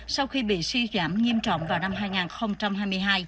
sau khi bị suy giảm nghiêm trọng vào năm hai nghìn hai mươi hai